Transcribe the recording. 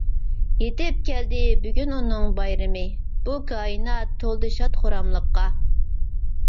يىتىپ كەلدى بۈگۈن ئۇنىڭ بايرىمى، بۇ كائىنات تولدى شاد-خۇراملىققا.